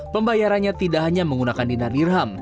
pembayarannya tidak hanya menggunakan dina dirham